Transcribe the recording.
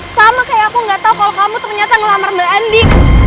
sama kayak aku gak tau kalau kamu ternyata ngelamar mbak andi